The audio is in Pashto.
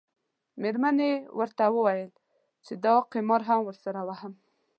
میرمنې یې ورته وویل چې دا قمار هم درسره وهم.